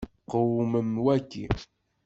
Qewmem waki.